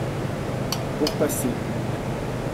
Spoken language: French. Pour passer.